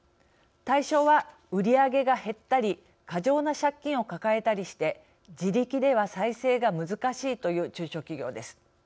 対象は、売り上げが減ったり過剰な借金を抱えたりして自力では再生が難しいという中小企業です。